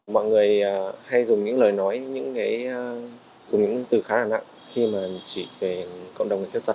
mọi người hay dùng những lời nói những cái dùng những từ khá là nặng khi mà chỉ về cộng đồng người khuyết tật